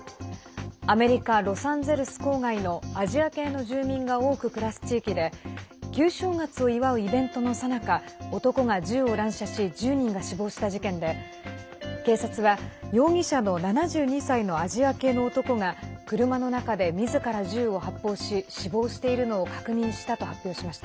アメリカ・ロサンゼルス郊外のアジア系の住民が多く暮らす地域で旧正月を祝うイベントのさなか男が銃を乱射し１０人が死亡した事件で警察は容疑者の７２歳のアジア系の男が車の中で、みずから銃を発砲し死亡しているのを確認したと発表しました。